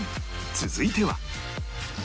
続いては